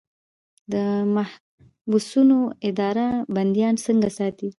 د محبسونو اداره بندیان څنګه ساتي؟